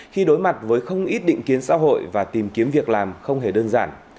khi đối mặt với không ít định kiến xã hội và tìm kiếm việc làm không hề đơn giản